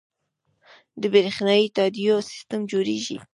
د بریښنایی تادیاتو سیستم جوړیږي